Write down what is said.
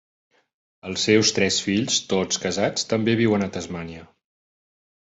Els seus tres fills, tots casats, també viuen a Tasmània.